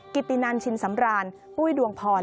กิตินันชินสำรานปุ้ยดวงพร